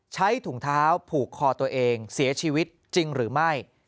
ใช้ถุงเท้าผูกคอตัวเองเสียชีวิตจริงหรือไม่